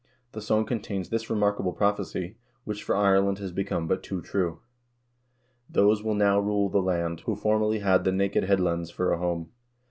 The song contains this remarkable prophecy, which, for Ireland, has become but too true :" Those will now soon rule the land, who formerly had the naked head lands for a home.